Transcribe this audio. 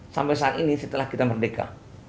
sampai saat ini setelah kita merdeka